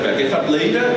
vậy là cái pháp lý đó